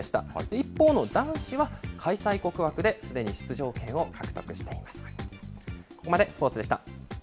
一方の男子は、開催国枠ですでに出場権を獲得しています。